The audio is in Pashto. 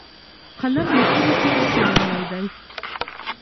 قلم له تورې څخه پیاوړی دی.